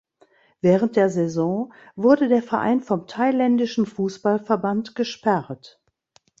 Während der Saison wurde der Verein vom thailändischen Fußballverband gesperrt.